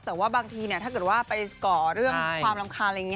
แต่ว่าบางทีถ้าเกิดว่าไปก่อเรื่องความรำคาญอะไรอย่างนี้